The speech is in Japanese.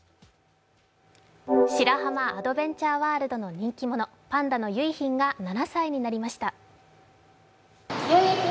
白浜アドベンチャーワールドの人気者、パンダの結浜が７歳になりました。